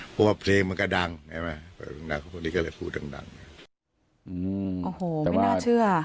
เพราะว่าเพลงมันก็ดังนี่ก็เลยพูดดังอืมโอ้โหไม่น่าเชื่อ